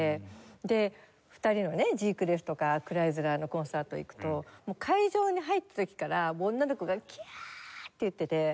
で２人のねＧ−クレフとかクライズラーのコンサート行くと会場に入った時から女の子が「キャーッ！」って言ってて。